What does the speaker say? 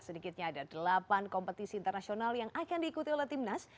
sedikitnya ada delapan kompetisi internasional yang akan diikuti oleh timnas